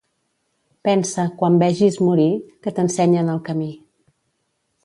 Pensa, quan vegis morir, que t'ensenyen el camí.